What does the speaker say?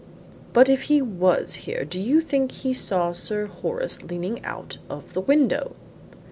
"But if he was here, do you think he saw Sir Horace leaning out of the window?"